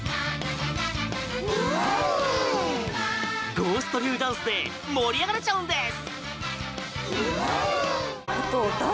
ゴースト流ダンスで盛り上がれちゃうんです。